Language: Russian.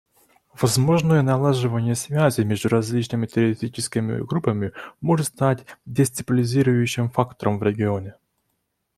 Возможное налаживание связей между различными террористическими группами может стать дестабилизирующим фактором в регионе.